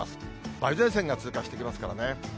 梅雨前線が通過していきますからね。